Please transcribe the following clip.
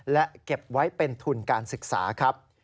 และเก็บไว้เป็นทุนการศึกษาครับ